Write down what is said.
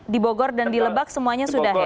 di bogor dan di lebak semuanya sudah ya